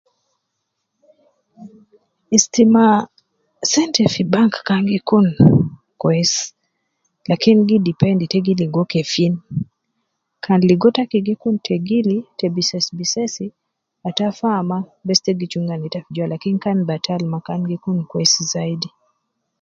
Istima ,sente fi bank kan gi kun kwesi, lakin gi depend te gi ligo kefin, kan ligo taki gi kun tegili, te bises bises, ata fa ma, bes te gi chunga neta fi jua, lakin kan batal ma, kan gi kun kwesi zaidi